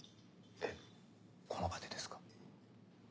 えっこの場でですか？